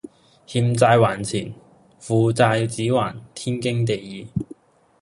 欠債還錢，父債子還，天經地義